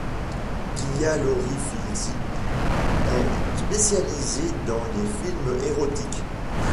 Guia Lauri Filzi est spécialisée dans les films érotiques.